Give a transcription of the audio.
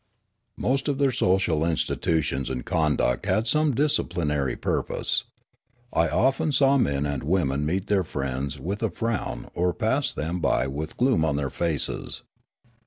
Most of their social institutions and conduct had some disciplinary purpose. I often saw men and women meet their friends with a frown or pass them Aleofanian Devotion to Truth 45 by with gloom on their faces.